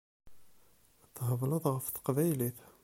Thebleḍ ɣef teqbaylit.